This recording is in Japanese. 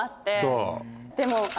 でも